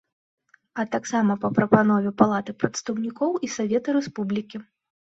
А таксама па прапанове Палаты прадстаўнікоў і Савета Рэспублікі.